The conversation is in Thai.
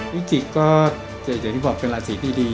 ฟิกจิกก็อย่างที่บอกเป็นหลักศีรษภ์ที่ดี